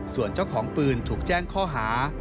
ส่วนเจ้าของปืนถูกแจ้งข้อหา